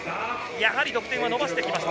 やはり得点を伸ばしてきました。